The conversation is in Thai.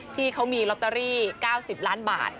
ที่เขามีลอตเตอรี่๙๐ล้านบาท